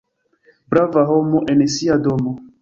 Brava homo en sia domo.